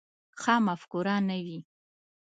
ښه مفکوره نه وي.